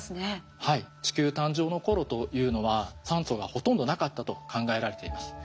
地球誕生の頃というのは酸素がほとんどなかったと考えられています。